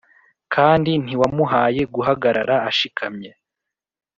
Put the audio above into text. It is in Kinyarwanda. Kandi ntiwamuhaye guhagarara ashikamye